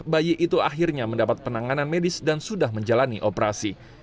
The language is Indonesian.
empat bayi itu akhirnya mendapat penanganan medis dan sudah menjalani operasi